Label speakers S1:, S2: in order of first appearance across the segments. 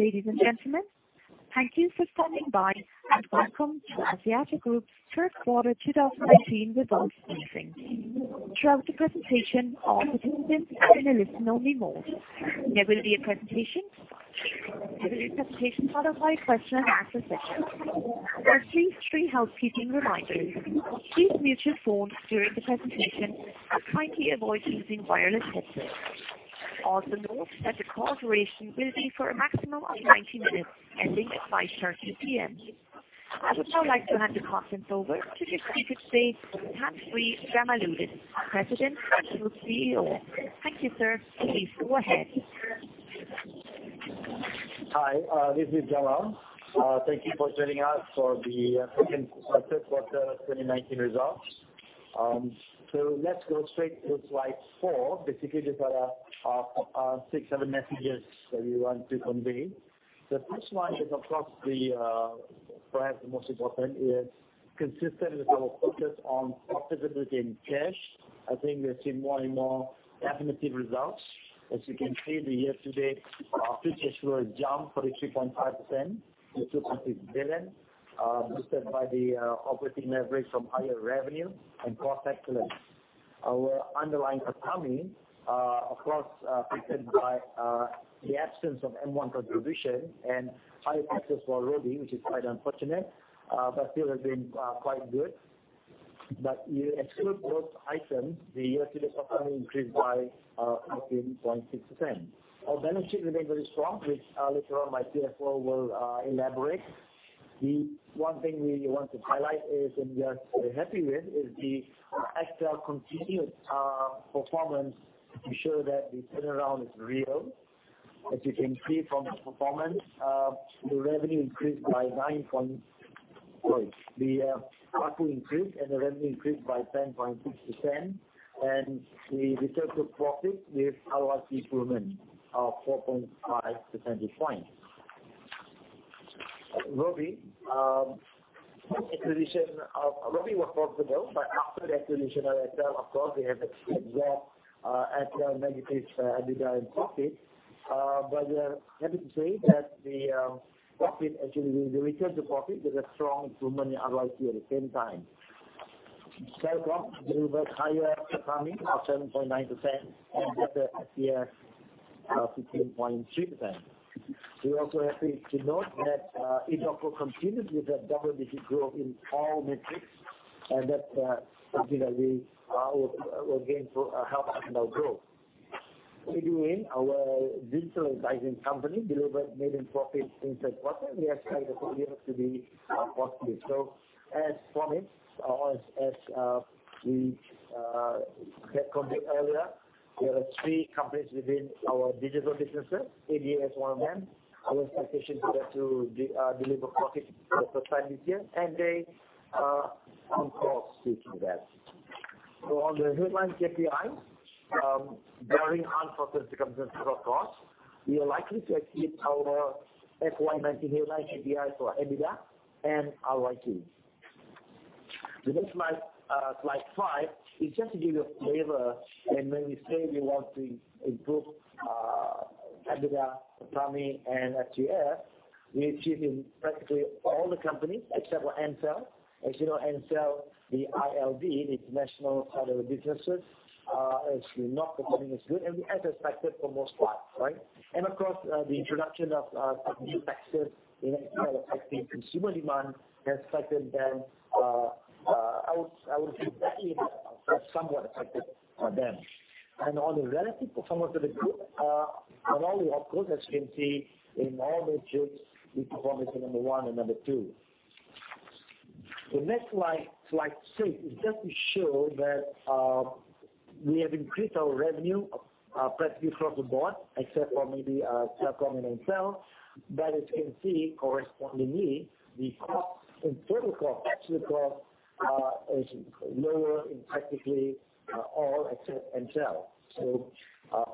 S1: Ladies and gentlemen, thank you for standing by, and welcome to Axiata Group's third quarter 2019 results briefing. Throughout the presentation, all participants are in a listen only mode. There will be a presentation. There will be a presentation followed by a question and answer session. There are please three housekeeping reminders. Please mute your phones during the presentation and kindly avoid using wireless headsets. Also note that the call duration will be for a maximum of 90 minutes, ending at 5:30 P.M. I would now like to hand the conference over to the Chief Executive, Tan Sri Jamaludin, President and Group CEO. Thank you, sir. Please go ahead.
S2: Hi, this is Jamal. Thank you for joining us for the third quarter 2019 results. Let's go straight to slide four. These are six, seven messages that we want to convey. The first one is, of course, perhaps the most important, is consistent with our focus on profitability and cash. I think we have seen more and more definitive results. As you can see, the year-to-date free cash flow has jumped 33.5% to MYR 2.6 billion, boosted by the operating leverage from higher revenue and cost excellence. Our underlying PATMI, of course, affected by the absence of M1 contribution and higher taxes for Robi, which is quite unfortunate, but still has been quite good. You exclude those items, the year-to-date PATMI increased by 18.6%. Our balance sheet remains very strong, which later on my CFO will elaborate. The one thing we want to highlight is, and we are very happy with, is the XL continued performance to show that the turnaround is real. As you can see from the performance, the ARPU increased and the revenue increased by 10.6%, and the return to profit with ROIC improvement of 4.5 percentage points. Robi. Robi was profitable, after the acquisition of XL, of course, they have absorbed XL negative EBITDA and profit. We are happy to say that the return to profit with a strong improvement in ROIC at the same time. Celcom delivers higher PATMI of 7.9% and EBITDA of 15.3%. We are also happy to note that Axiata continued with a double-digit growth in all metrics, and that's something that will help Axiata grow. ADA, our digital advertising company, delivered net income profit in third quarter. We are excited for the year to be positive. As promised, or as we had conveyed earlier, there are three companies within our digital businesses, ADA is one of them. Our expectation is that to deliver profit for the full year, and they are on course to do that. On the headline KPIs, barring unforeseen circumstances, of course, we are likely to achieve our FY 2019 guideline KPI for EBITDA and ROIC. The next slide five, is just to give you a flavor, and when we say we want to improve EBITDA, PATMI and FCF, we achieve in practically all the companies except for MCell. As you know, MCell, the ILD, International Other Businesses, is not performing as good and as expected for most parts, right? Of course, the introduction of some new taxes in Afghanistan affecting consumer demand has affected them. I would say that it has somewhat affected them. On the relative performance of the group, and all the operators as you can see, in all metrics we perform as the number one and number two. The next slide six, is just to show that we have increased our revenue practically across the board, except for maybe Celcom and MCell. As you can see, correspondingly, the total cost is lower in practically all except MCell.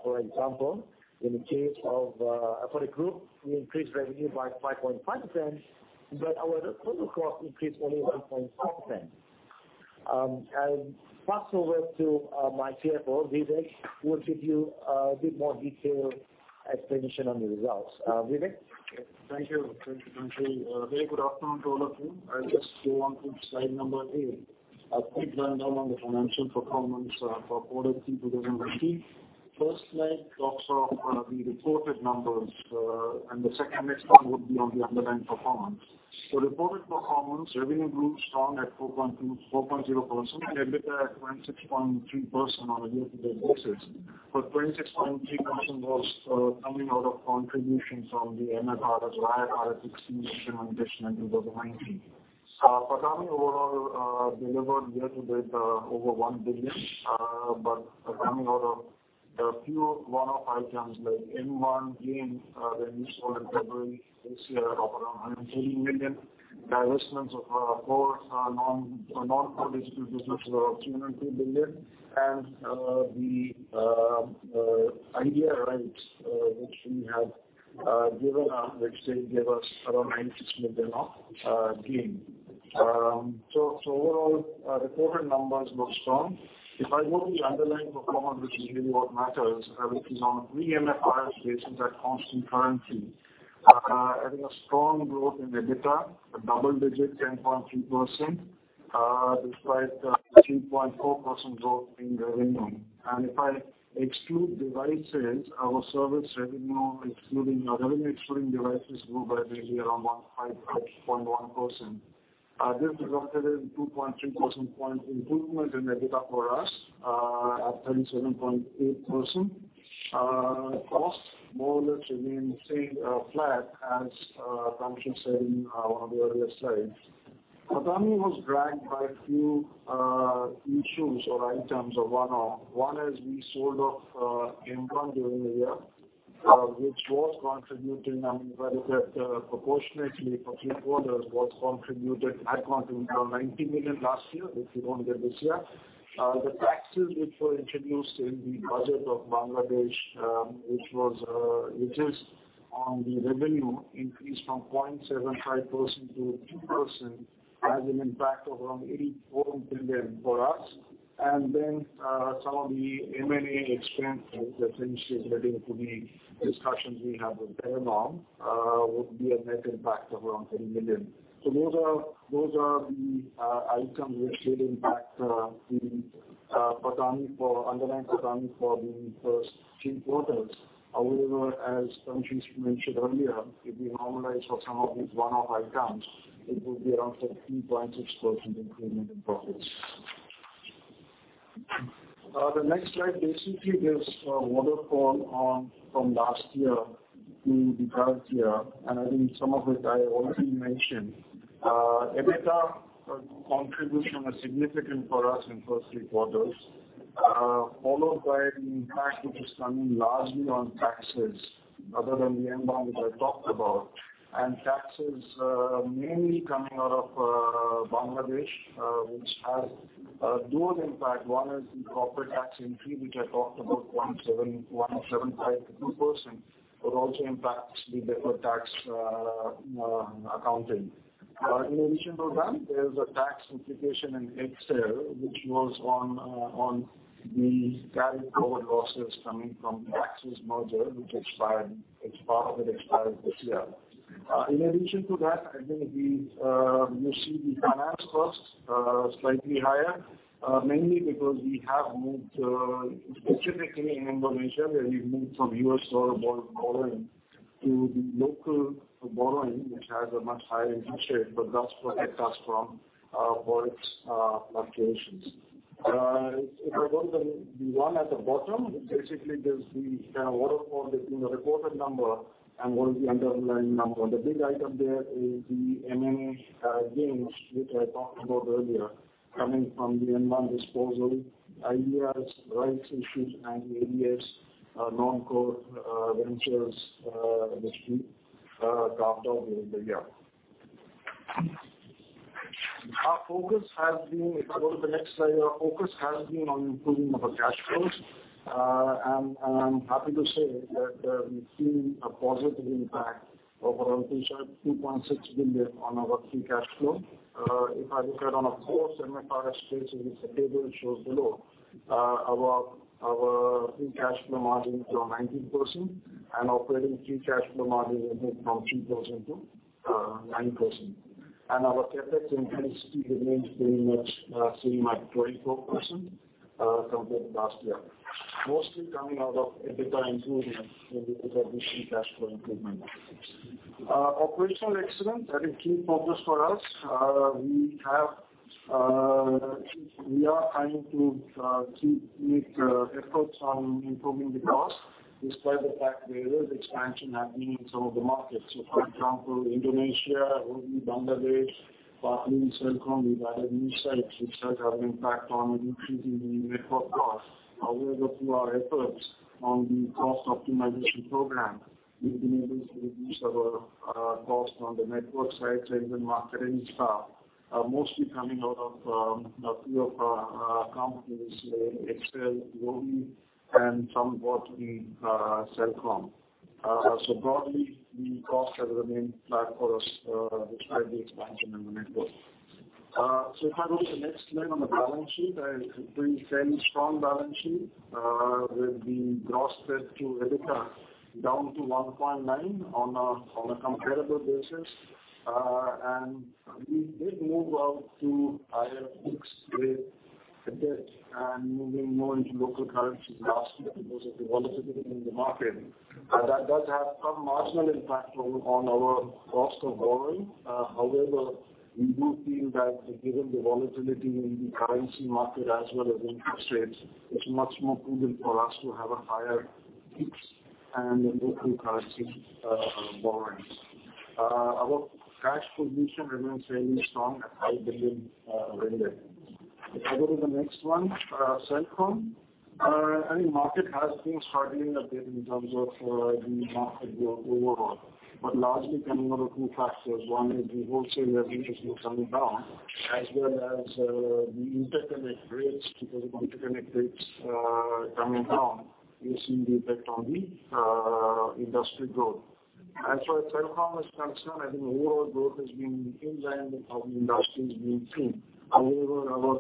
S2: For example, for the group, we increased revenue by 5.5%, but our total cost increased only 1.5%. I will pass over to my CFO, Vivek, who will give you a bit more detailed explanation on the results. Vivek?
S3: Thank you, Tan Sri. A very good afternoon to all of you. I'll just go on to slide number eight. A quick rundown on the financial performance for quarter three 2019. First slide talks of the reported numbers, and the second next one would be on the underlying performance. Reported performance, revenue grew strong at 4.0% and EBITDA at 26.3% on a year-to-date basis. 26.3% was coming out of contributions from the MFR as well as exchange gain in 2019. PATMI overall delivered year-to-date over 1 billion, coming out of a few one-off items like M1 gain that we sold in February this year of around MYR 118 million, divestments, of course, our non-core digital business of 302 million, and the Idea rights which we have given up, which they gave us around 96 million of gain. Overall, the quarter numbers were strong. If I go to the underlying performance, which is really what matters, which is on pre-MFR basis at constant currency, having a strong growth in EBITDA, a double digit 10.3%, despite a 2.4% drop in revenue. If I exclude device sales, our service revenue excluding devices grew by roughly around 1.1%. This resulted in 2.3% point improvement in EBITDA for us at 37.8%. Costs more or less remained same flat as Tan Sri said on the earlier slide. PATAMI was dragged by a few issues or items of one-off. One is we sold off M1 during the year, which was contributing, I mean, proportionately for three quarters had contributed 19 million last year, which we won't get this year. The taxes which were introduced in the budget of Bangladesh, which is on the revenue increase from 0.75%-2%, has an impact of around 84 million for us. Then some of the M&A expenses, which is relating to the discussions we have with Telenor, would be a net impact of around 10 million. Those are the items which really impact the underlying PATAMI for the first three quarters. However, as Tan Sri mentioned earlier, if we normalize for some of these one-off items, it will be around 13.6% improvement in profits. The next slide basically gives a waterfall from last year to the current year, and I think some of it I already mentioned. EBITDA contribution is significant for us in first three quarters, followed by an impact which is coming largely on taxes other than the M1 which I talked about. Taxes mainly coming out of Bangladesh, which has a dual impact. One is the corporate tax increase, which I talked about 0.75% to 2%, but also impacts the deferred tax accounting. In addition to that, there's a tax implication in XL, which was on the carried forward losses coming from the AXIS merger, which part of it expired this year. In addition to that, I think you see the finance costs slightly higher, mainly because we have moved specifically in Indonesia, where we've moved from USD borrowing to the local borrowing, which has a much higher interest rate, but that's to protect us from forex fluctuations. If I go to the one at the bottom, basically gives the waterfall between the reported number and what is the underlying number. The big item there is the M&A gains, which I talked about earlier, coming from the M1 disposal, Idea rights issues, and Idea non-core ventures, which we carved out during the year. If I go to the next slide, our focus has been on improving our cash flows. I'm happy to say that we've seen a positive impact of around 2.6 billion on our free cash flow. If I look at it on a core semi-cash basis, which the table shows below, our free cash flow margins are 19%, and operating free cash flow margin improved from 3% to 9%. Our CapEx intensity remains very much similar at 24% compared to last year. Mostly coming out of EBITDA improvement, you will be able to see cash flow improvement. Operational excellence are the key focus for us. We are trying to keep efforts on improving the cost, despite the fact there is expansion happening in some of the markets. For example, Indonesia, Robi, Bangladesh, [inaudible] Celcom, we've added new sites, which has had an impact on increasing the network cost. Through our efforts on the cost optimization program, we've been able to reduce our cost on the network side and the marketing staff, mostly coming out of a few of our companies, XL, Robi, and somewhat in Celcom. Broadly, the costs have remained flat for us despite the expansion in the network. If I go to the next slide on the balance sheet, a very fairly strong balance sheet with the gross debt to EBITDA down to 1.9 on a comparable basis. We did move out to higher books with debt and moving more into local currencies last year because of the volatility in the market. That does have some marginal impact on our cost of borrowing. We do feel that given the volatility in the currency market as well as interest rates, it's much more prudent for us to have a higher fix and local currency borrowings. Our cash position remains fairly strong at RM5 billion. If I go to the next one, Celcom. I think market has been struggling a bit in terms of the market build overall, but largely coming out of two factors. One is the wholesale revenues which are coming down, as well as the interconnect rates, because interconnect rates coming down is indeed an effect on the industry growth. As far as telecom is concerned, I think overall growth has been in line with how the industry is doing too. Our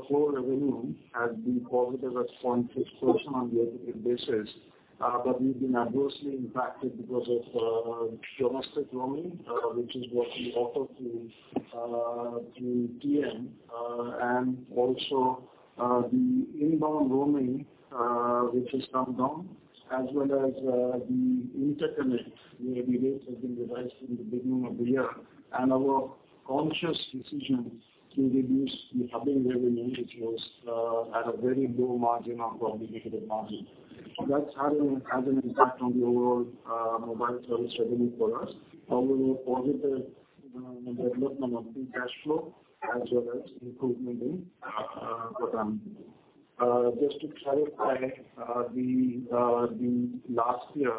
S3: core revenue has been positive at 1.6% on a year-to-date basis. We've been adversely impacted because of domestic roaming, which is what we offer to TM, and also the inbound roaming, which has come down, as well as the interconnect, where the rates have been revised in the beginning of the year, and our conscious decision to reduce the hubbing revenue, which was at a very low margin of aggregated margin. That's having an impact on the overall mobile service revenue for us. However, a positive development of the cash flow as well as improvement in profit. Just to clarify, the last year,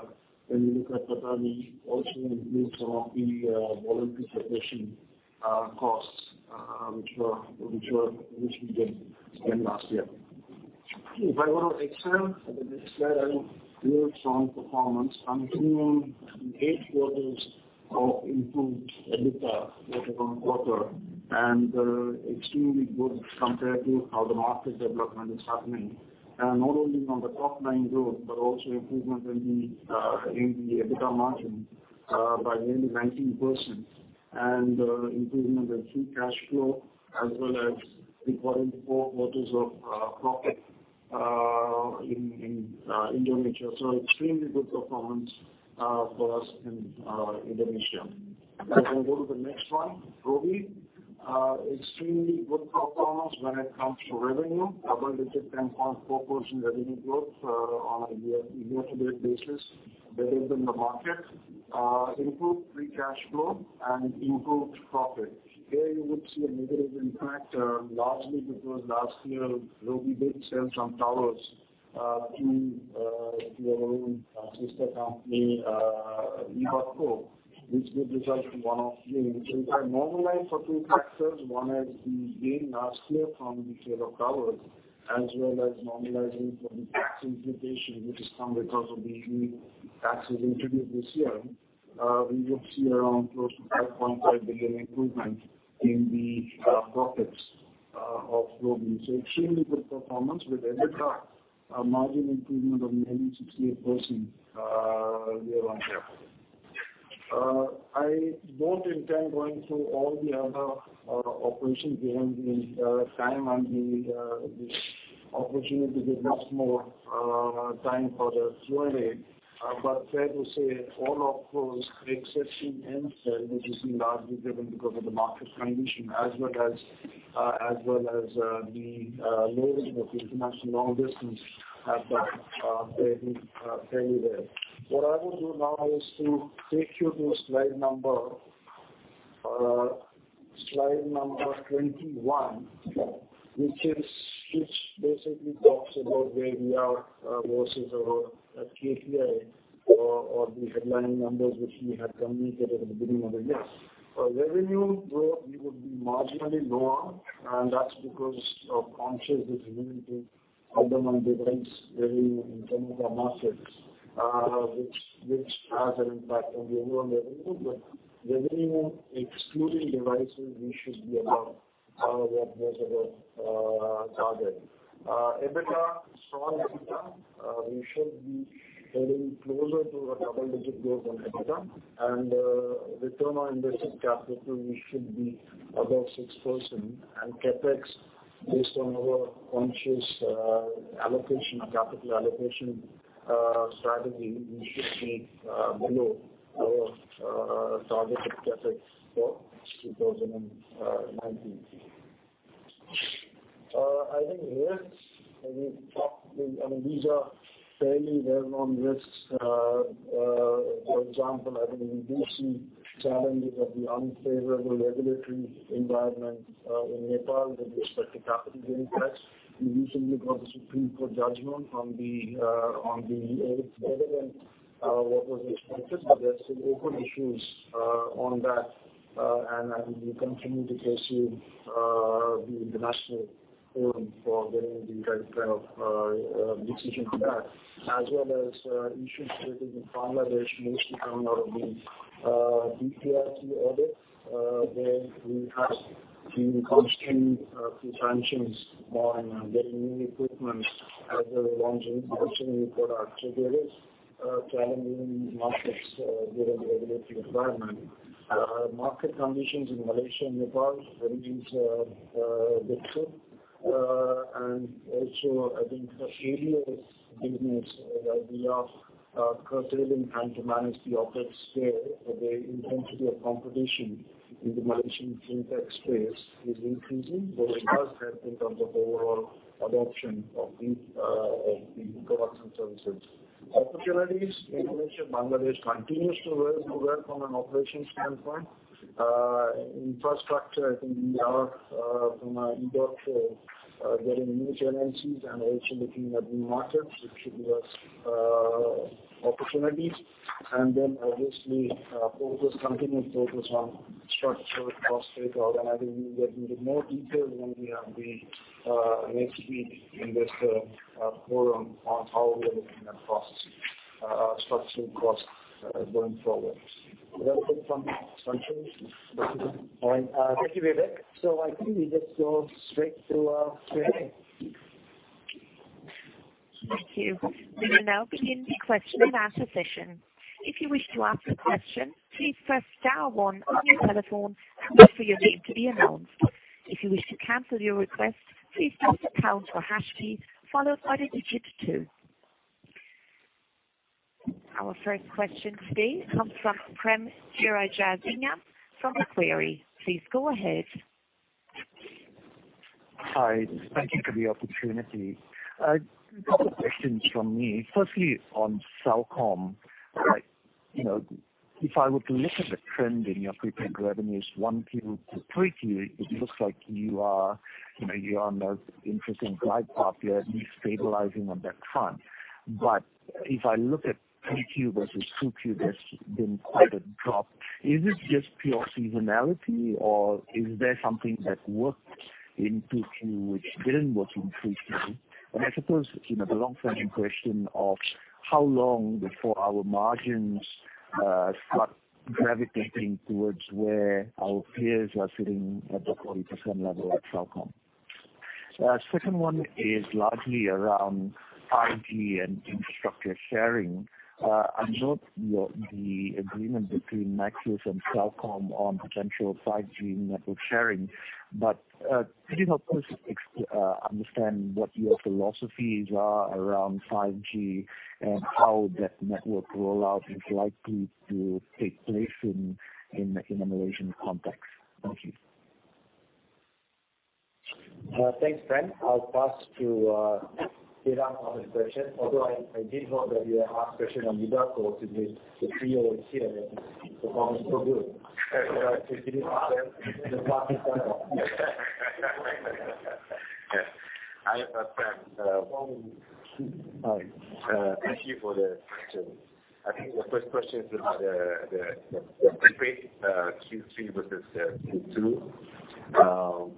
S3: when we look at profit, we also include some of the voluntary separation costs, which we did in last year. If I go to XL, I think it's fair, a real strong performance, continuing 8 quarters of improved EBITDA quarter-on-quarter. Extremely good compared to how the market development is happening. Not only on the top-line growth, but also improvement in the EBITDA margin by nearly 19%, and improvement in free cash flow, as well as recording 4 quarters of profit in Indonesia. Extremely good performance for us in Indonesia. If I go to the next one, Robi. Extremely good performance when it comes to revenue, a double-digit 10.4% revenue growth on a year-to-date basis, better than the market. Improved free cash flow and improved profit. Here you would see a negative impact, largely because last year Robi did sell some towers to our own sister company, EDOTCO, which did result in one-off gain, which if I normalize for two factors, one is the gain last year from the sale of towers, as well as normalizing for the tax implication, which has come because of the new taxes introduced this year, we would see around close to 5.5 billion improvement in the profits of Robi. Extremely good performance with EBITDA margin improvement of nearly 68% year-on-year. I don't intend going through all the other operations given the time and the opportunity to give much more time for the Q&A. Fair to say all of those, with the exception Celcom, which is largely driven because of the market condition as well as the lowering of the ILD have done fairly well. What I will do now is to take you to slide number 21, which basically talks about where we are versus our KPI or the headline numbers which we had communicated at the beginning of the year. For revenue growth, we would be marginally lower, and that's because of conscious decision to hold them on device revenue in terms of our markets, which has an impact on the overall revenue. Revenue excluding devices, we should be above what was our target. EBITDA, strong EBITDA. We should be heading closer to a double-digit growth on EBITDA, and return on invested capital, we should be above 6%. CapEx, based on our conscious capital allocation strategy, we should be below our targeted CapEx for 2019. I think here, I mean, these are fairly well-known risks. For example, I think we do see challenges of the unfavorable regulatory environment in Nepal with respect to capital gain tax. We recently got the Supreme Court judgment on the audit, better than what was expected. There are some open issues on that, and I think we continue to pursue the international forum for getting the right kind of decision on that. Issues related to Bangladesh, mostly coming out of the BTRC audit, where we have seen constant restrictions on getting new equipments as well as launching new products. There is challenge in these markets given the regulatory environment. Market conditions in Malaysia and Nepal remains difficult. For Helios business, we are curtailing and to manage the OpEx there, where the intensity of competition in the Malaysian FinTech space is increasing, but it does help in terms of overall adoption of the e-commerce and services. Opportunities. Indonesia and Bangladesh continues to do well from an operations standpoint. Infrastructure, we are, from our EDOTCO getting new synergies and also looking at new markets, which should give us opportunities. Continued focus on structural cost base. We will get into more detail when we have the next week investor forum on how we are looking at structural costs going forward. Is there anything from Tan Sri?
S2: All right. Thank you, Vivek. I think we just go straight to Q&A.
S1: Thank you. We will now begin the question-and-answer session. If you wish to ask a question, please press star one on your telephone and wait for your name to be announced. If you wish to cancel your request, please press the pound or hash key, followed by the 2. Our first question today comes from Prem Jearajasingam from Macquarie. Please go ahead.
S4: Hi. Thank you for the opportunity. A couple questions from me, firstly, on Celcom. If I were to look at the trend in your prepaid revenues, 1Q to 3Q, it looks like you are on an interesting glide path here, at least stabilizing on that front. If I look at 3Q versus 2Q, there's been quite a drop. Is it just pure seasonality or is there something that worked in 2Q which didn't work in 3Q? I suppose, the long-term question of how long before our margins start gravitating towards where our peers are sitting at the 40% level at Celcom. Second one is largely around 5G and infrastructure sharing. I note the agreement between Maxis and Celcom on potential 5G network sharing, but could you help us understand what your philosophies are around 5G and how that network rollout is likely to take place in the Malaysian context? Thank you.
S2: Thanks, Prem. I'll pass to Iran for his question, although I did hope that you would ask a question on EDOTCO since the CEO is here and performing so good.
S5: Hi. Thank you for the question. I think the first question is about the prepaid Q3 versus Q2.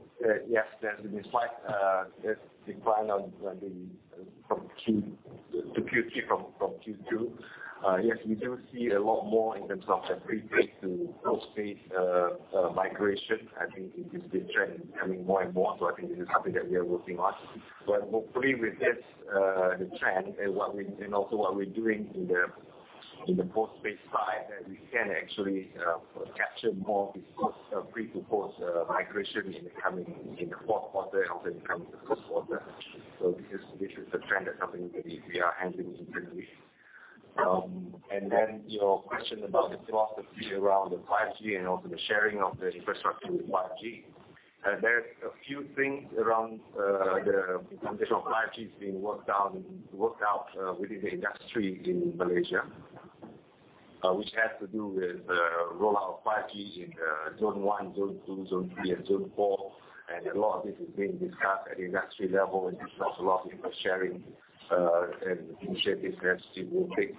S5: Yes, there has been a slight decline to Q3 from Q2. Yes, we do see a lot more in terms of the prepaid to postpaid migration. I think this trend is coming more and more. I think this is something that we are working on. Hopefully with this, the trend and also what we're doing in the postpaid side, that we can actually capture more of this pre to post migration in the fourth quarter and also in the first quarter. This is a trend that we are handling internally. Your question about the philosophy around the 5G and also the sharing of the infrastructure with 5G. There's a few things around the implementation of 5G that is being worked out within the industry in Malaysia, which has to do with the rollout of 5G in Zone one, Zone two, Zone 3, and Zone 4. A lot of this is being discussed at the industry level and there's also a lot of infrastructure sharing initiatives that will take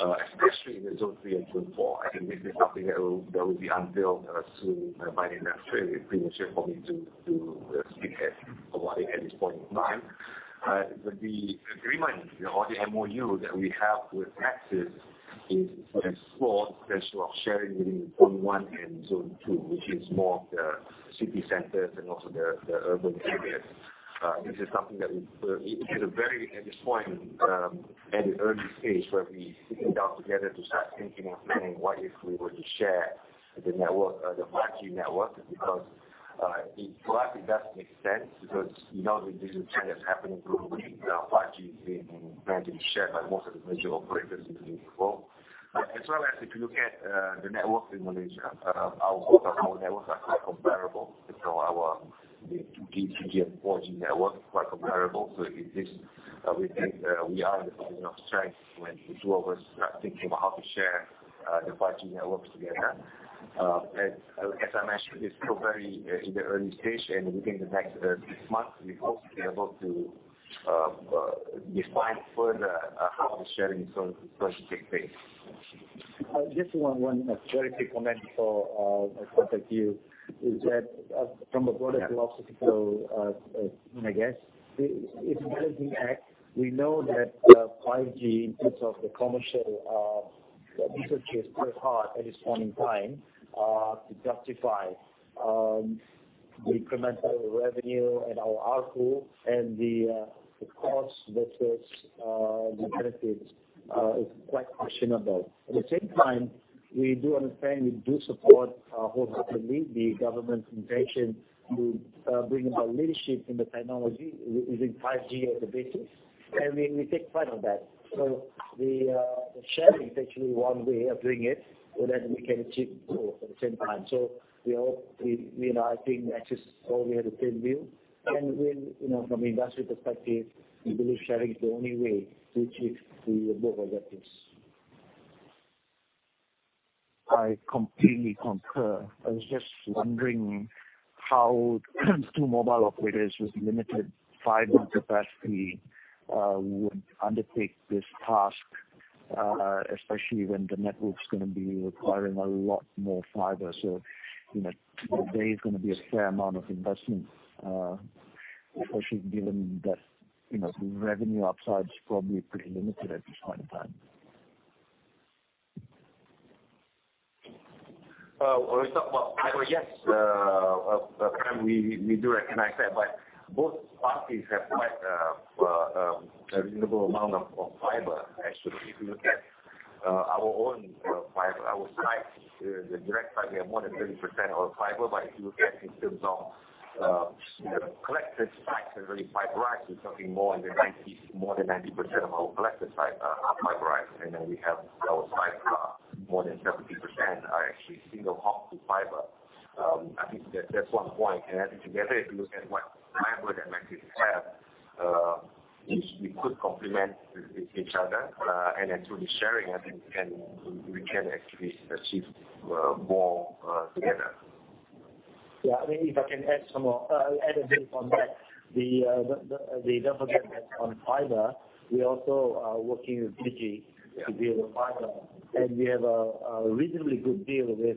S5: place, especially in the Zone 3 and Zone 4. I think this is something that will be unveiled soon by the industry. It's premature for me to speak about it at this point in time. The agreement or the MOU that we have with AXIS is for the purpose of sharing within Zone one and Zone two, which is more of the city centers and also the urban areas. At this point, at the early stage where we are sitting down together to start thinking of planning what if we were to share the 5G network. For us, it does make sense because we know that this is a trend that's happening globally. 5G is being planned to be shared by most of the major operators in the world. If you look at the networks in Malaysia, our networks are quite comparable. Our 2G, 3G, and 4G networks are quite comparable. We think we are in a position of strength when the two of us are thinking about how to share the 5G networks together. As I mentioned, it's still very in the early stage, and within the next 6 months, we hope to be able to define further how the sharing is going to take place.
S3: Just one very quick comment before I pass back to you, is that from a broader philosophical, I guess, in Malaysia Act, we know that 5G, in terms of the commercial usage, is still hard at this point in time to justify the incremental revenue and our ARPU and the cost versus the benefits is quite questionable. At the same time, we do understand, we do support wholeheartedly the government's intention to bring about leadership in the technology using 5G as the basis, and we take pride in that. The sharing is actually one way of doing it so that we can achieve both at the same time. I think AXIS probably has the same view. From industry perspective, we believe sharing is the only way to achieve the above objectives.
S4: I completely concur. I was just wondering how two mobile operators with limited fiber capacity would undertake this task, especially when the network's going to be requiring a lot more fiber. There's going to be a fair amount of investment, especially given that revenue upside is probably pretty limited at this point in time. Well, when we talk about fiber, yes, we do recognize that. Both parties have quite a reasonable amount of fiber, actually. If you look at our own fiber, our sites, the direct fiber, we have more than 30% of our fiber. If you look at in terms of collected sites that are already fiberized, we're talking more than 90% of our collected sites are fiberized. We have our sites, more than 70% are actually single hop to fiber. I think that's one point. I think together, if you look at what fiber that Maxis have, we could complement with each other. Through the sharing, I think we can actually achieve more together.
S3: Yeah. If I can add a bit on that. Don't forget that on fiber, we also are working with Digi to build fiber, and we have a reasonably good deal with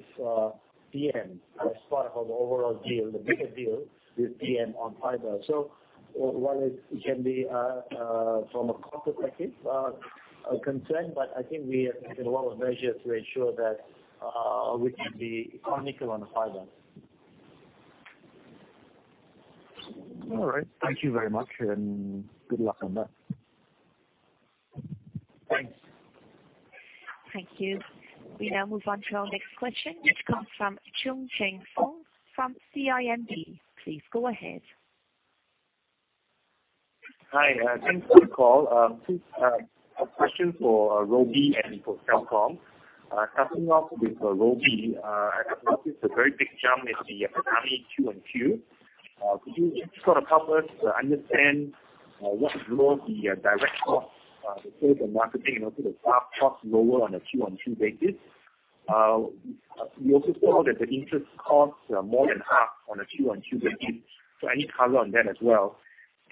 S3: TM as part of our overall deal, the bigger deal with TM on fiber. While it can be from a cost-effective concern, but I think we have taken a lot of measures to ensure that we can be economical on fiber.
S4: All right. Thank you very much, and good luck on that.
S3: Thanks.
S1: Thank you. We now move on to our next question, which comes from Choong Chen Foong from CIMB. Please go ahead.
S6: Hi. Thanks for the call. A question for Robi and for Celcom. Starting off with Robi, I noticed a very big jump in the PATMI Q on Q. Could you just sort of help us understand what drove the direct costs, the sales and marketing, and also the staff costs lower on a Q on Q basis? We also saw that the interest costs are more than half on a Q on Q basis. Any color on that as well.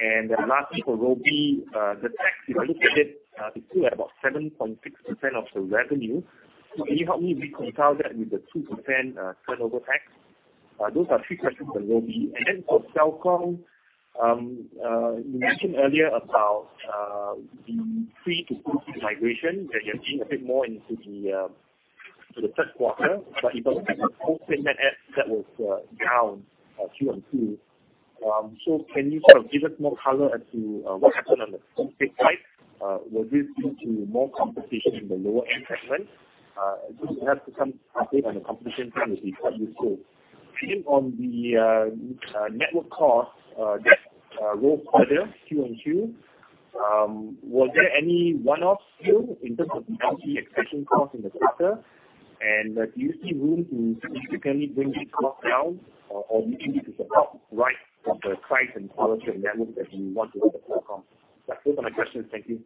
S6: Lastly, for Robi, the tax, if I looked at it's still at about 7.6% of the revenue. Can you help me reconcile that with the 2% turnover tax? Those are three questions on Robi. For Celcom, you mentioned earlier about the free to post migration, that you're seeing a bit more into the third quarter. If I look at the full payment adds, that was down Q on Q. Can you sort of give us more color as to what happened on the full paid type? Was this due to more competition in the lower end segment? If you have some update on the competition front, it'll be quite useful. Same on the network cost, that rose Q on Q. Was there any one-off still in terms of the LTE expansion cost in the quarter? Do you see room to significantly bring this cost down or do you think this is the top right of the price and quality of network that you want to run for Celcom? Those are my questions. Thank you.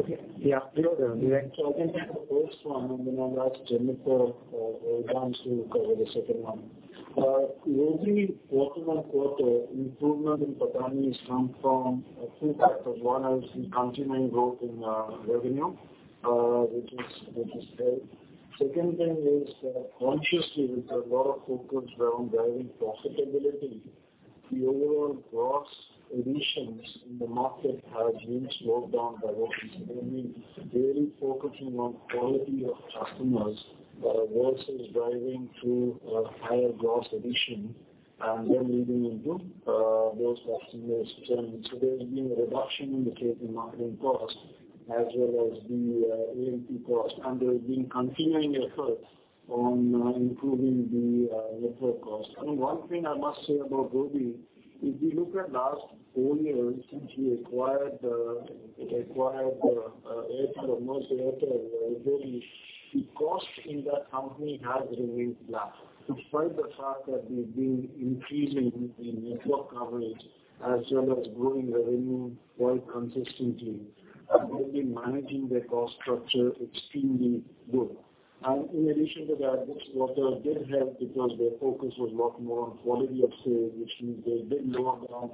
S3: Okay. Yeah. I'll take the first one, then I'll ask Jennifer Wong Fen Chui to cover the second one. Robi quarter-on-quarter improvement in PATMI has come from a few factors. One is the continuing growth in revenue, which is great. Second thing is consciously, with a lot of focus around driving profitability, the overall gross additions in the market have been slowed down by Robi. They've been really focusing on quality of customers, versus driving through higher gross addition and then leading into those customers. There's been a reduction in the sales and marketing cost as well as the A&P cost, and there's been continuing effort on improving the network cost. One thing I must say about Robi, if you look at last full year since we acquired most of Robi, the cost in that company has remained flat. Despite the fact that we've been increasing the network coverage as well as growing revenue quite consistently. Robi managing their cost structure extremely good. In addition to that, this quarter did help because their focus was lot more on quality of sales, which means they did lower down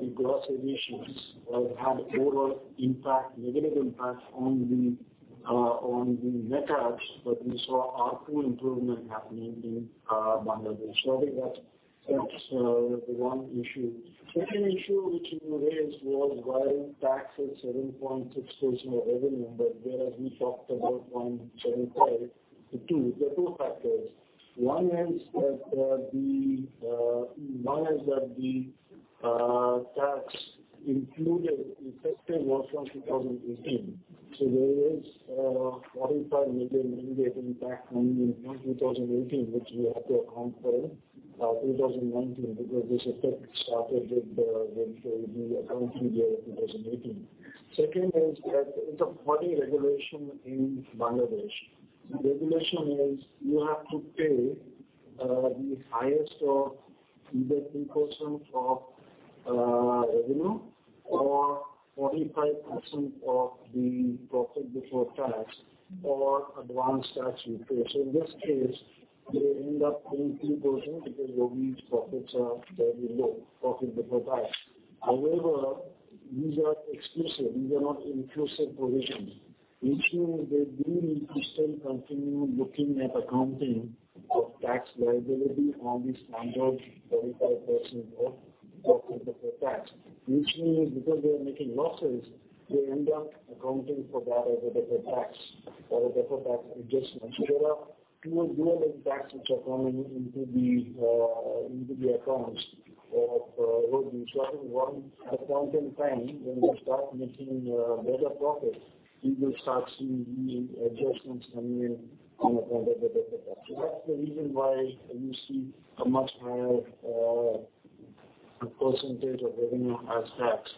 S3: the gross additions or had overall negative impact on the net adds. We saw our core improvement happening in Bangladesh. I think that's the one issue. Second issue which you raised was why tax is 7.6% of revenue, whereas we talked about 1.75%. There are two factors. One is that the tax included the effect was from 2018. There is 45 million ringgit negative impact only in 2018, which we have to account for in 2019, because this effect started with the accounting year 2018. Second is that it's a body regulation in Bangladesh. The regulation is you have to pay the highest of either 3% of revenue or 45% of the profit before tax or advance tax you pay. In this case, they end up paying 3% because Robi's profits are very low, profit before tax. However, these are exclusive. These are not inclusive provisions, which means they do need to still continue looking at accounting of tax liability on the standard 45% of profit before tax, which means because they are making losses, they end up accounting for that as a deferred tax or deferred tax adjustment. There are dual impacts which are coming into the accounts of Robi. I think one at a point in time when they start making better profits, we will start seeing the adjustments coming in on account of the deferred tax. That's the reason why you see a much higher percentage of revenue as tax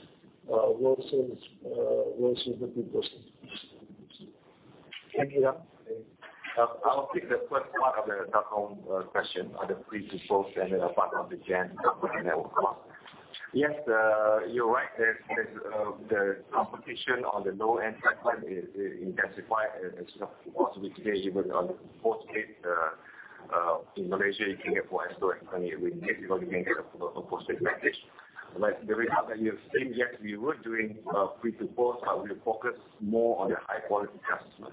S3: versus the 3%. Thank you.
S5: I'll take the first part of the Celcom question on the free to post and then apart from the Gen network cost. Yes, you're right. There's competition on the low-end segment is intensified and possibly today even on the postpaid. In Malaysia, you can get for as low as MYR 28, you can get a postpaid package. The result that we have seen, yes, we were doing free to post, but we focus more on the high-quality customers.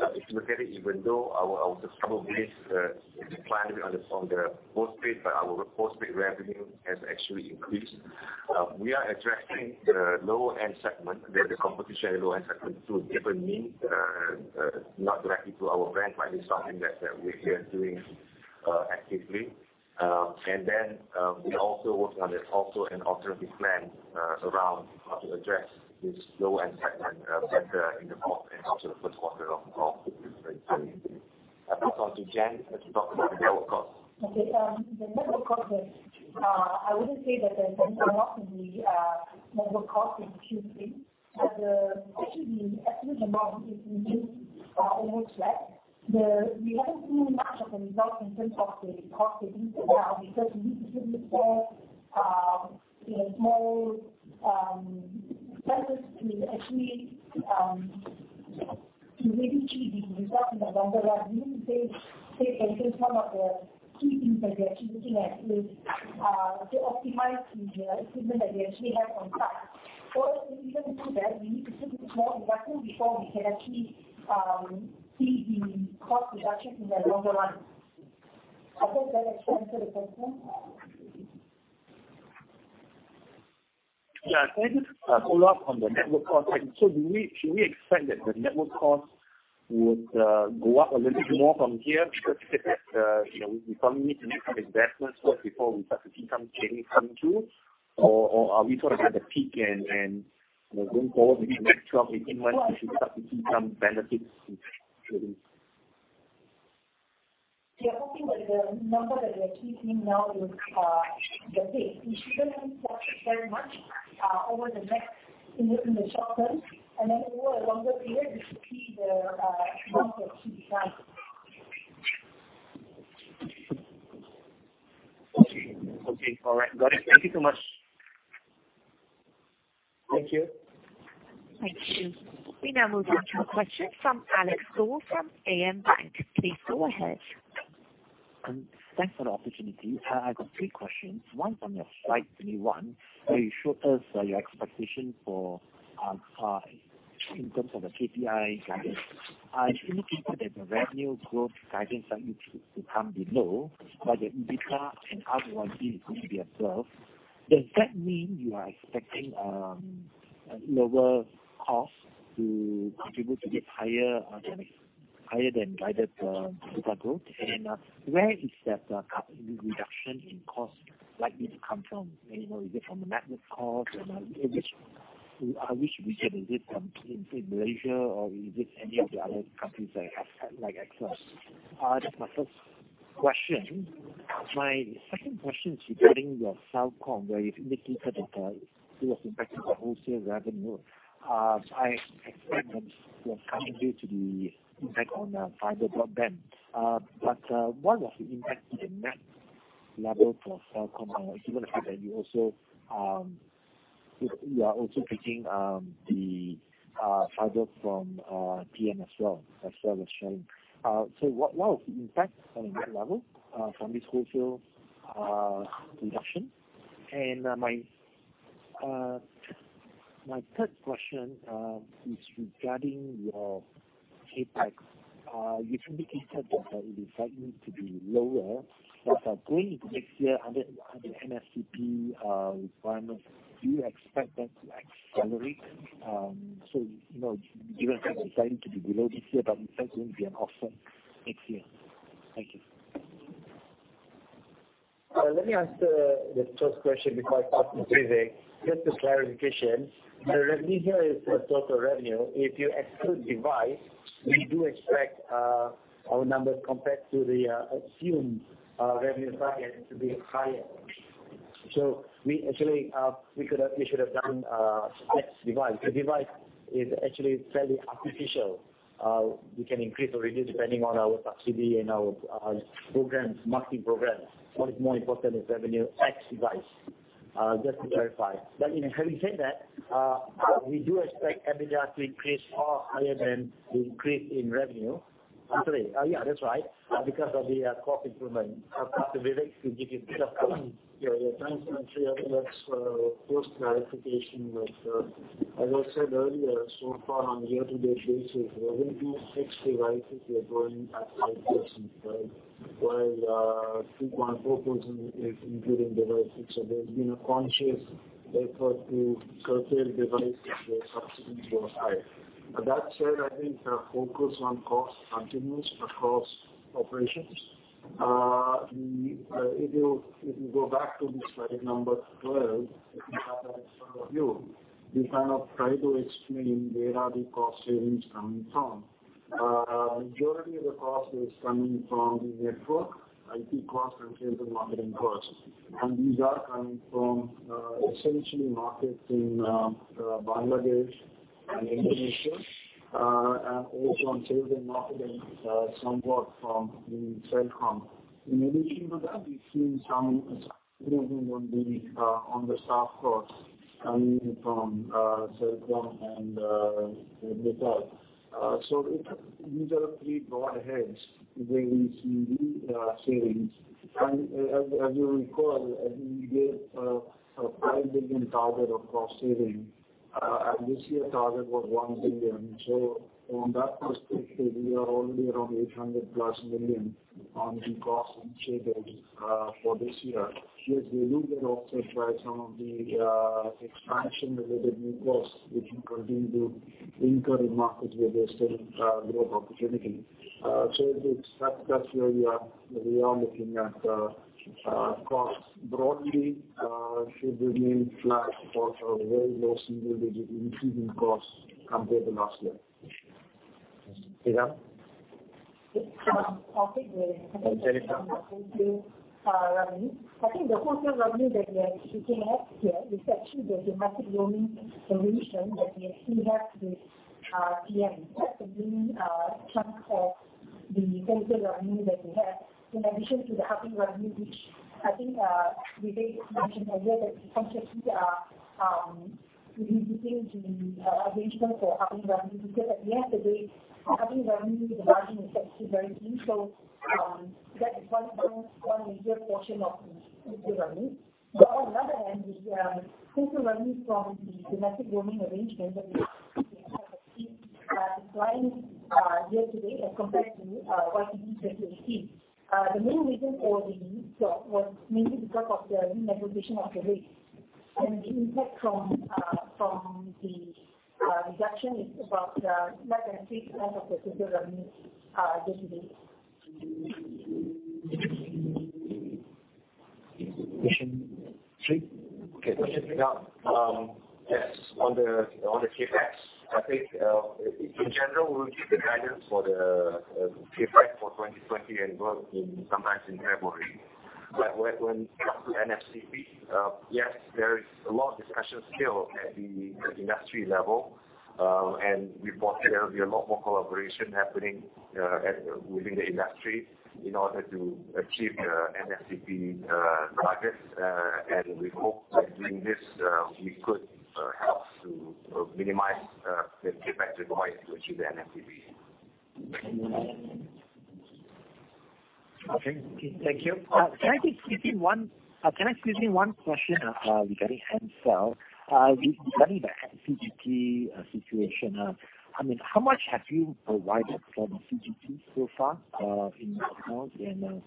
S5: If you look at it, even though our subscriber base has declined a bit on the postpaid, but our postpaid revenue has actually increased. We are attracting the low-end segment, the competition at the low-end segment through different means, not directly through our brand, but it's something that we are doing actively. We are also working on also an alternative plan around how to address this low-end segment better in the fourth and also the first quarter of next year. I will pass on to Jen to talk about the network cost. Okay. The network cost, I wouldn't say that there's been a lot of the network cost in Q3. Actually, the absolute amount is nearly almost flat. We haven't seen much of a result in terms of the cost savings because we need to do more. There's more efforts to actually to really achieve the results in the longer run. We need to take actions. One of the key things that we're actually looking at is to optimize the equipment that we actually have on site. For us to even do that, we need to do more investment before we can actually see the cost reduction in the longer run. I hope that answered the question.
S6: Yeah. Can I just follow up on the network cost? Should we expect that the network cost would go up a little bit more from here because we probably need to make some investments first before we start to see some change coming through? Or are we sort of at the peak and, going forward, maybe 12, 18 months, we should start to see some benefits?
S7: We are hoping that the number that we are keeping now is the peak. We shouldn't see it fluctuate very much over the next, in the short term. Over a longer period, we should see the amount actually decline.
S6: Okay. All right. Got it. Thank you so much.
S3: Thank you.
S1: Thank you. We now move on to a question from Alex Goh from AmBank. Please go ahead.
S8: Thanks for the opportunity. I got three questions. One's on your slide 21, where you showed us your expectation for our guide in terms of the KPI guidance. It's indicating that the revenue growth guidance that you took will come below, but the EBITDA and ROIC is going to be above. Does that mean you are expecting a lower cost to contribute to this higher-than-guided EBITDA growth? Where is that reduction in cost likely to come from? Is it from the network cost? Which region? Is it from, say Malaysia, or is it any of the other countries that have had like excess? That's my first question. My second question is regarding your Celcom, where you've indicated that it was impacting the wholesale revenue. I expect that was coming due to the impact on fiber broadband. What was the impact to the net level for Celcom, given the fact that you are also taking the fiber from TM as well, as [inaudible] was sharing. What was the impact on a net level from this wholesale reduction? My third question is regarding your CapEx. You've indicated that it is likely to be lower, but going into next year under MSP requirements, do you expect that to accelerate? Even if you're deciding to be below this year, but in fact, it's going to be an off-year next year. Thank you.
S3: Let me answer the first question before I pass to Prithiv. Just a clarification. The revenue here is the total revenue. If you exclude device, we do expect our numbers compared to the assumed revenue target to be higher. We actually should have done X device. The device is actually fairly artificial. We can increase or reduce depending on our subsidy and our marketing programs. What is more important is revenue X device. Just to clarify. Having said that, we do expect EBITDA to increase higher than the increase in revenue. I'm sorry. Yeah, that's right. Because of the cost improvement. I think the device will give you a bit of color. Yeah. Thanks. That's post clarification. As I said earlier, so far on year-to-date basis, revenue ex-devices are growing at 5%, right? While 2.4% is including devices. There's been a conscious effort to curtail devices where subsidies were high. That said, I think our focus on cost continues across operations. If you go back to the slide number 12, if you have that in front of you, we try to explain where are the cost savings coming from. Majority of the cost is coming from the network, IT cost, and sales and marketing costs. These are coming from essentially markets in Bangladesh and Indonesia, and also on sales and marketing somewhat from Celcom. In addition to that, we've seen some improvement on the soft costs coming from Celcom and Dialog. These are three broad heads where we see the savings. As you recall, I think we gave a 5 billion target of cost savings, and this year target was 1 billion. From that perspective, we are already around 800 million plus on the cost savings for this year. Yes, we lose it also by some of the expansion related new costs which we continue to incur in markets where there is still growth opportunity. That's where we are looking at costs. Broadly, should remain flat or very low single-digit increasing costs compared to last year.
S2: Yes. [inaudible]
S5: I think the wholesale revenue that we have here is actually the domestic roaming arrangement that we still have with TM. That's the main chunk of the wholesale revenue that we have. In addition to the hubbing revenue, which I think Vivek mentioned earlier, that we consciously are reducing the arrangement for hubbing revenue, because at the end of the day, hubbing revenue, the margin is actually very thin. That is one major portion of the wholesale revenue. On the other hand, the wholesale revenue from the domestic roaming arrangements that we have declined year to date as compared to YTD 2018. The main reason for the drop was mainly because of the renegotiation of the rates. The impact from the reduction is about less than 3% of the total revenue year to date.
S2: Question three.
S9: Okay. Question three. Yes, on the CapEx, I think in general, we'll give the guidance for the CapEx for 2020 and growth sometimes in February. When it comes to NFCP, yes, there is a lot of discussion still at the industry level. We foresee there'll be a lot more collaboration happening within the industry in order to achieve the NFCP targets. We hope by doing this, we could help to minimize the CapEx required to achieve the NFCP.
S2: Okay. Thank you.
S8: Can I just squeeze in one question regarding Ncell? Regarding the CGT situation, how much have you provided for the CGT so far in your account, and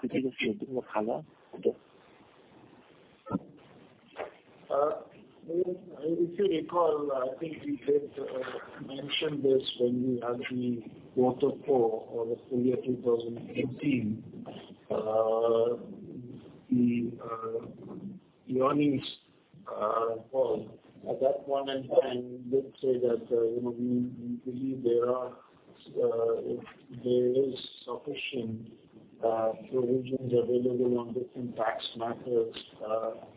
S8: could you just give a bit more color?
S3: If you recall, I think we did mention this when we had the quarter four of the full year 2018, the earnings call. At that point in time, we did say that we believe there is sufficient provisions available on different tax matters.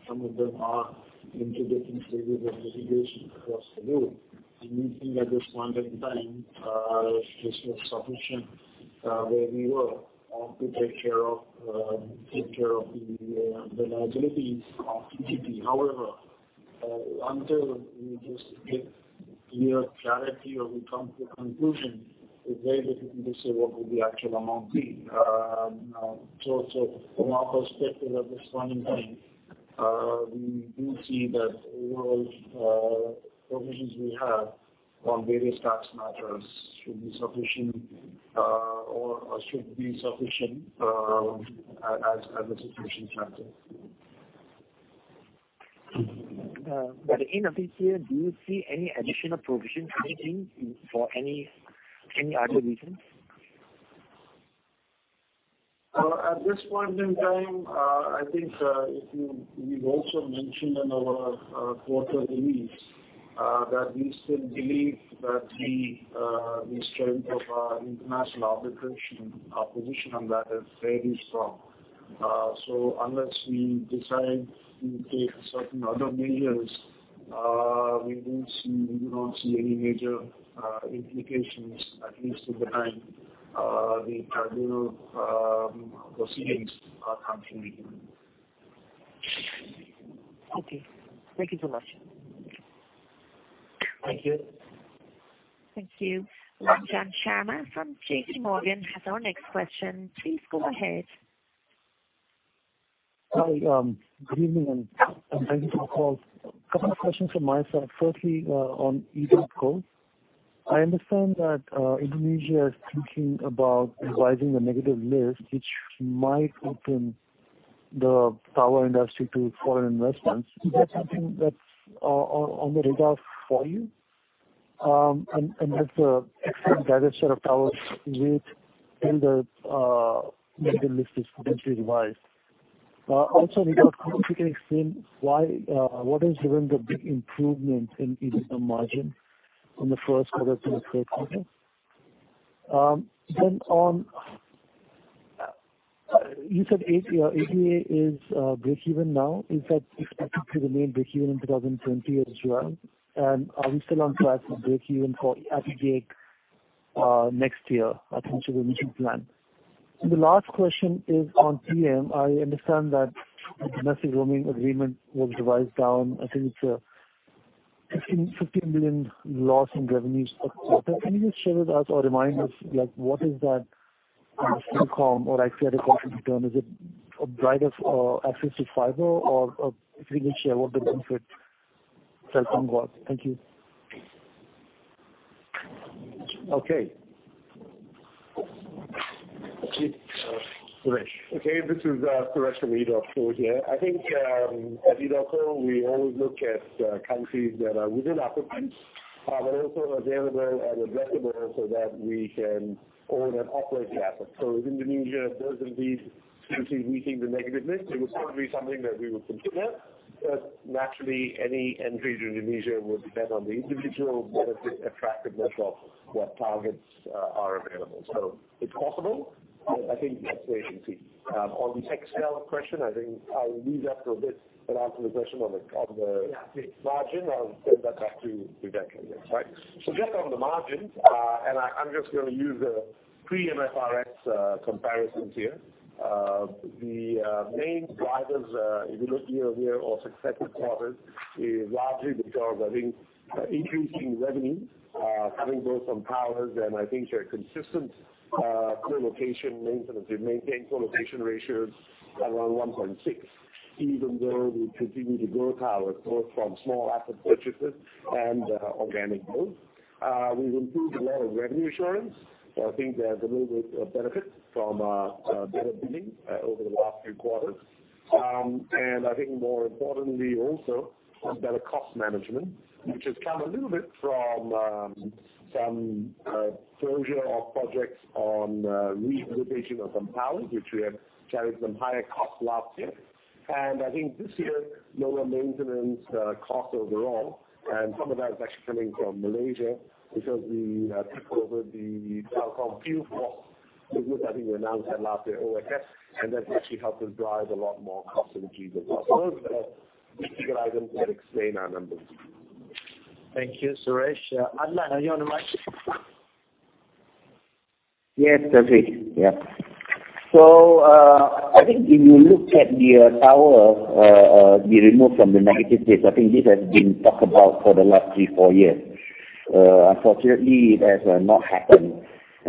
S3: Some of them are into different stages of litigation across the group. We think at this point in time, this was sufficient where we were, to take care of the liabilities of CGT. However, until we just get clear clarity or we come to a conclusion, it's very difficult to say what will the actual amount be. From our perspective at this point in time, we do see that overall provisions we have on various tax matters should be sufficient or should be sufficient as the situation stands today.
S8: In this year, do you see any additional provision, anything for any other reasons?
S3: At this point in time, I think we've also mentioned in our quarter release. That we still believe that the strength of our international arbitration position on that is very strong. Unless we decide to take certain other measures, we do not see any major implications, at least at the time. The tribunal proceedings are continuing.
S8: Okay. Thank you so much.
S3: Thank you.
S1: Thank you. Ranjan Sharma from J.P. Morgan has our next question. Please go ahead.
S10: Hi. Good evening, and thank you for the call. A couple of questions from my side. Firstly, on EDOTCO, I understand that Indonesia is thinking about revising the negative list, which might open the tower industry to foreign investments. Is that something that's on the radar for you? Has the existing data set of towers within the negative list is potentially revised? Also, Nida, how quickly can you explain what has driven the big improvement in EBITDA margin on the first quarter from the third quarter? You said ADA is breakeven now. Is that expected to remain breakeven in 2020 as well? Are we still on track for breakeven for Apigate next year, according to the initial plan? The last question is on TM. I understand that the domestic roaming agreement was revised down. I think it's a 15 million loss in revenues for quarter. Can you just share with us or remind us, what is that on Telco? Actually, I had a question to turn. Is it a driver for access to fiber? If we can share what the benefit for Telco was. Thank you.
S3: Okay. Suresh.
S9: Okay. This is Suresh from EDOTCO here. I think, at EDOTCO, we always look at countries that are within Asia, but also available and addressable so that we can own and operate the assets. If Indonesia does indeed seriously rethink the negative list, it would certainly be something that we would consider. Naturally, any entry to Indonesia would depend on the individual benefit attractiveness of what targets are available. It's possible, but I think we have to wait and see. On the XL question, I think I'll leave that to a bit an answer the question on the margin. I'll send that back to. [inaudible] Right. Just on the margins, and I'm just going to use the pre-MFRS comparisons here. The main drivers, if you look year-over-year or successive quarters, is largely because of, I think, increasing revenue coming both from towers and I think a consistent co-location maintenance. We've maintained co-location ratios around 1.6, even though we continue to grow towers both from small asset purchases and organic growth. We've improved a lot of revenue assurance. I think there's a little bit of benefit from better billing over the last few quarters. I think more importantly also on better cost management, which has come a little bit from some closure of projects on relocation of some towers, which we have carried some higher costs last year. I think this year, lower maintenance cost overall. Some of that is actually coming from Malaysia because we took over the Telco view for the group that we announced last year, OSS, and that actually helped us drive a lot more cost synergies as well. Those are the key items that explain our numbers.
S3: Thank you, Suresh. Adlan, are you on the mic? Yes, perfect. I think if you look at the tower being removed from the negative list, I think this has been talked about for the last three, four years. Unfortunately, it has not happened.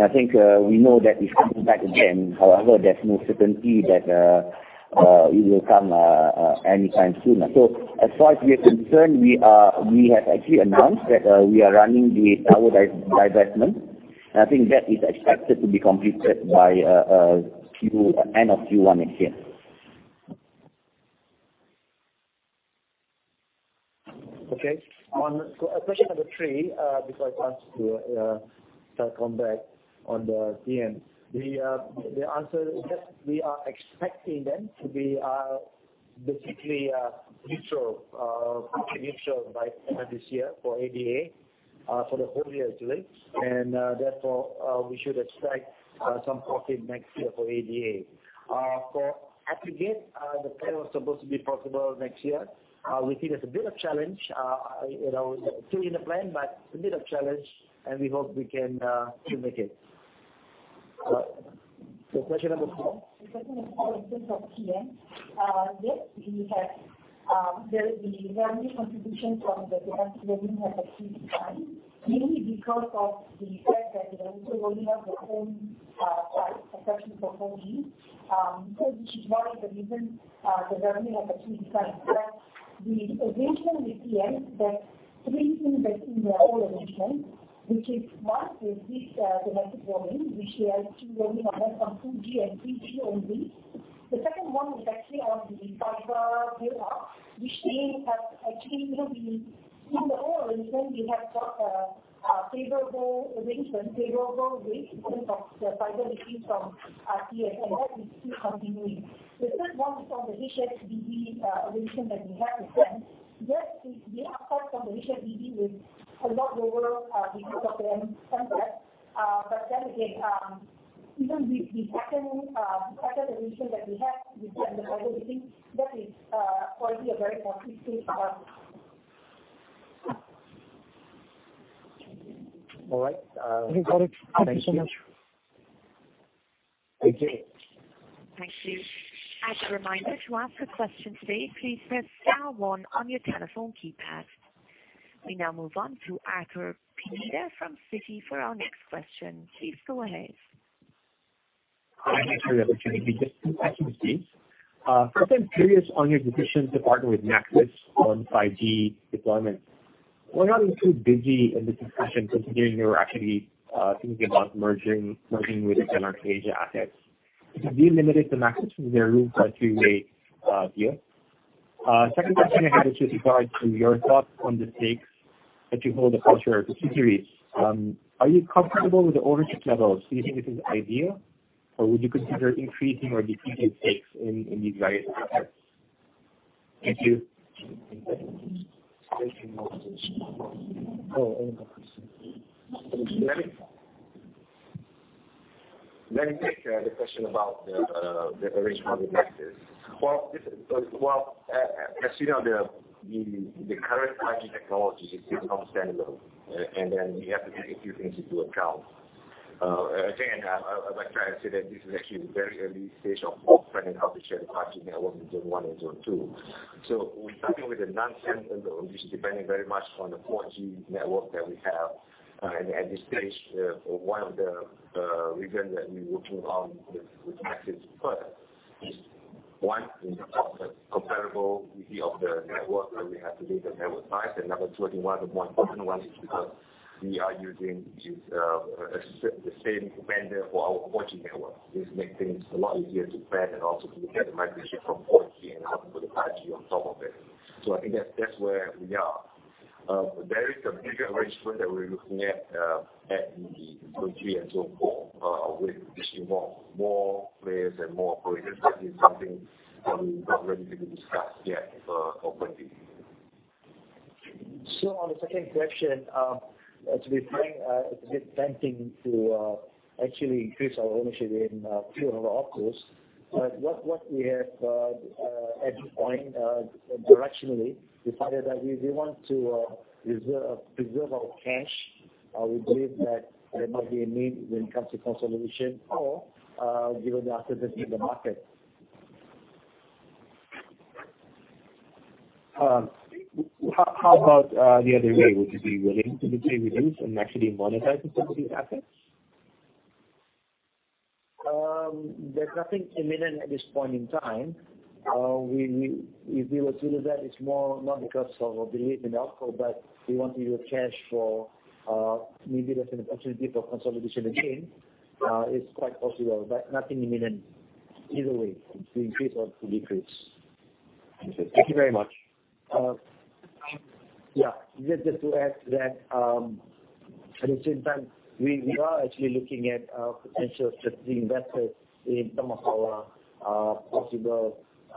S3: I think we know that it's coming back again. However, there's no certainty that it will come anytime soon. As far as we are concerned, we have actually announced that we are running the tower divestment. I think that is expected to be completed by end of Q1 next year. Okay. On question number three, before I pass to Telco back on the TM. The answer is that we are expecting them to be basically neutral by the end of this year for ADA, for the whole year actually. Therefore, we should expect some profit next year for ADA. For Apigate, the plan was supposed to be profitable next year. We see it as a bit of a challenge. Still in the plan, but a bit of challenge, and we hope we can still make it. Question number four. Question number four in terms of TM. Yes, there will be revenue contribution from the government revenue has actually declined, mainly because of the fact that they are also rolling out their own access for 4G. Which is one of the reasons the government has actually declined. The arrangement with TM, there are three things that in the old arrangement. Which is one is this domestic roaming, which has roaming on that, on 2G and 3G only. The second one is actually on the fiber build out, which they have actually, in the old arrangement, we have got a favorable arrangement, favorable rate in terms of the fiber leasing from TM, and that is still continuing. The third one is on the HSBB. The solution that we have in hand. Yes, it may have some solution dealing with a lot lower because of the end contract. Even with the second solution that we have, we've done the modeling thing. That is already a very concrete thing. All right.
S10: Okay, got it. Thank you so much.
S3: Thank you.
S1: Thank you. As a reminder, to ask a question today, please press star one on your telephone keypad. We now move on to Arthur Pineda from Citi for our next question. Please go ahead.
S11: Hi. Thanks for the opportunity. Just two questions, please. First, I'm curious on your decision to partner with Maxis on 5G deployment. Were you not too busy in the discussion considering you were actually thinking about merging with Telenor Asia assets? Is it limited to Maxis from their rules or a two-way deal? Second question I had was just regards to your thoughts on the stakes that you hold across your subsidiaries. Are you comfortable with the ownership levels? Do you think this is ideal, or would you consider increasing or decreasing stakes in these various assets? Thank you. Let me take the question about the arrangement with Maxis. Well, as you know, the current 5G technology is still standalone. You have to take a few things into account. I think I'd like to try and say that this is actually the very early stage of both planning how to share the 5G network in zone one and zone two. We're starting with a non-standalone, which is depending very much on the 4G network that we have. At this stage, one of the reasons that we're working on with Maxis first is, one, in terms of the compatibility of the network, and we have to build the network size. Number two, the more important one is because we are using the same vendor for our 4G network. This makes things a lot easier to plan and also to look at the migration from 4G and how to put the 5G on top of it. I think that's where we are. There is a bigger arrangement that we're looking at in 2024, which involves more players and more operators. That is something that we're not ready to discuss yet openly.
S2: On the second question, to be frank, it's a bit tempting to actually increase our ownership in a few of our opcos. What we have, at this point, directionally, decided that we want to preserve our cash. We believe that there might be a need when it comes to consolidation or given the assets in the market.
S11: How about the other way? Would you be willing to maybe reduce and actually monetize some of the assets?
S2: There's nothing imminent at this point in time. If we were to do that, it's more not because of a belief in the outcome, but we want to use cash for maybe there's an opportunity for consolidation again. It's quite possible, but nothing imminent either way, to increase or to decrease.
S11: Thank you.
S2: Thank you very much. Yeah. Just to add to that, at the same time, we are actually looking at potential strategic investors in some of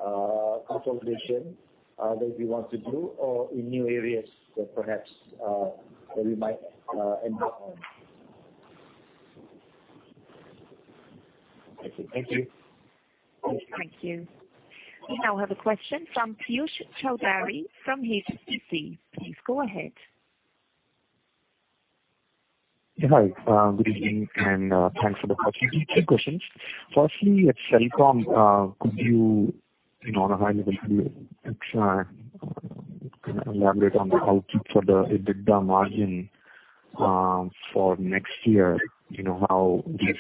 S2: our possible consolidation that we want to do or in new areas that perhaps that we might embark on.
S11: Okay. Thank you.
S1: Thank you. We now have a question from Piyush Choudhary from HSBC. Please go ahead.
S12: Hi. Good evening, thanks for the opportunity. Two questions. Firstly, at Celcom, could you, on a high level, elaborate on the outlook for the EBITDA margin for next year? We've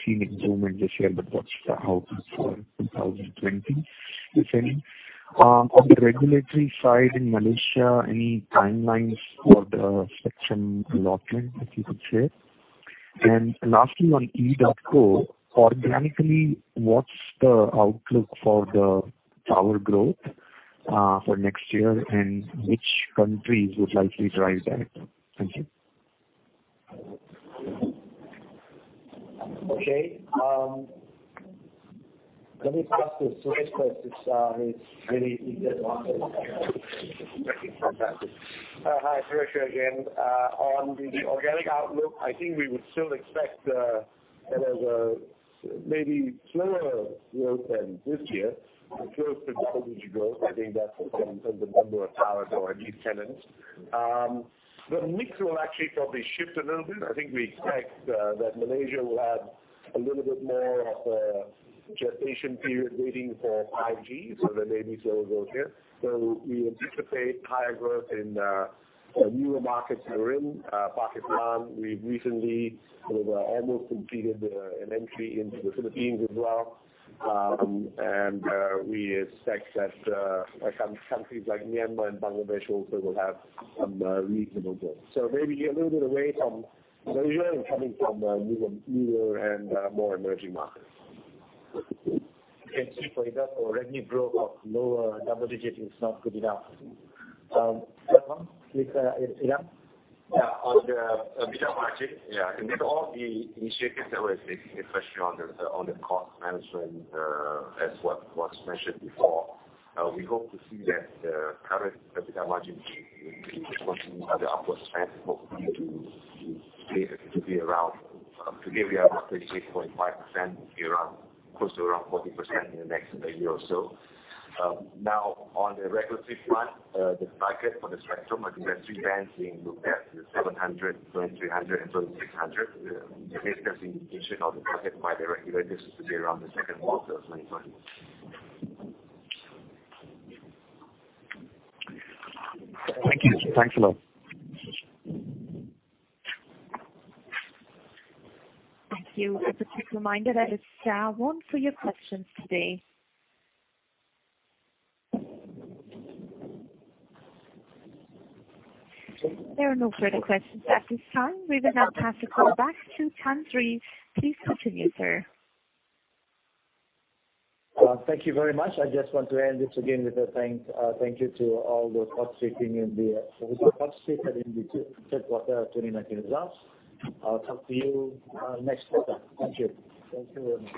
S12: seen improvement this year, what's the outlook for 2020, if any? On the regulatory side in Malaysia, any timelines for the spectrum allotment that you could share? Lastly, on EDOTCO, organically, what's the outlook for the tower growth for next year, and which countries would likely drive that? Thank you. Okay. Let me pass this to [Suresh] since he's really into the working from practice.
S9: Hi. It's [Suresh here] again. On the organic outlook, we would still expect that as a maybe slower growth than this year, but close to double-digit growth. That's in terms of number of towers or at least tenants. The mix will actually probably shift a little bit. We expect that Malaysia will have a little bit more of a gestation period waiting for 5G, so there may be slower growth here. We anticipate higher growth in the newer markets that we're in. Pakistan, we've recently almost completed an entry into the Philippines as well. We expect that some countries like Myanmar and Bangladesh also will have some reasonable growth. Maybe a little bit away from Malaysia and coming from newer and more emerging markets.
S12: Okay. Super. EDOTCO revenue growth of lower double digits is not good enough. Celcom? With EBITDA? Yeah. On the EBITDA margin. I think with all the initiatives that we're taking, especially on the cost management as what was mentioned before, we hope to see that the current EBITDA margin will continue the upward trend. Hopefully, to be around, today we are about 38.5%, to be close to around 40% in the next year or so. On the regulatory front, the bracket for the spectrum, I think there are three bands being looked at, the 700, 2300, and 2600. The latest indication of the process by the regulators is to be around the second quarter of 2020. Thank you. Thanks a lot.
S1: Thank you. A quick reminder that it's star one for your questions today. There are no further questions at this time. We will now pass the call back to Tan Sri. Please continue, sir.
S2: Thank you very much. I just want to end this again with a thank you to all those participating in the third quarter 2019 results. I will talk to you next quarter. Thank you. Thank you very much.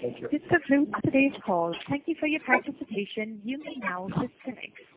S3: Thank you.
S1: This concludes today's call. Thank you for your participation. You may now disconnect.